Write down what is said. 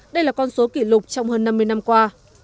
đây là con số kỷ lục trong hơn năm mươi năm qua